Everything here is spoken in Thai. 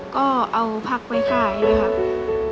ก็เอาพักไปขายด้วยครับ